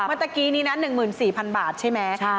เมื่อกี้นี้นะ๑๔๐๐๐บาทใช่ไหม